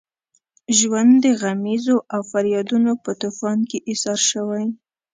ژوند د غمیزو او فریادونو په طوفان کې ایسار شوی.